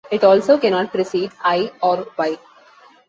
It also cannot precede "i" or "y".